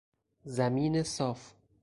زمین صاف